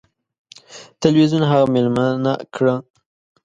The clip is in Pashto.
تلویزیون هغه میلمنه کړه.